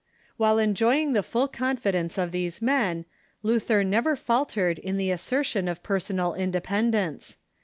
While enjoying the full confidence of these men, Luther never faltered in the assertion of personal inde pendence.